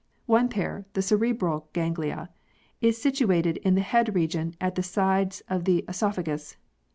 One pair, the cerebral ganglia, is situated in the head region at the sides of the oesophagus.